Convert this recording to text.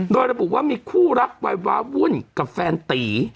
โดยระบุว่ามีคู่รักวัยว้าวุ่นกับแฟนตี